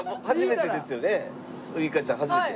ウイカちゃん初めて？